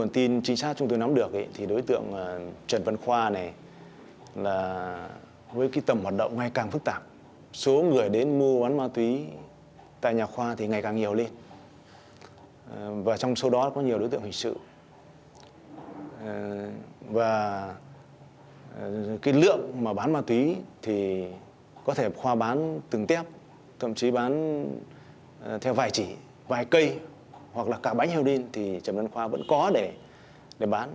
thậm chí bán theo vài chỉ vài cây hoặc là cả bánh heo đin thì trần văn khoa vẫn có để bán